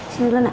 sini dulu nak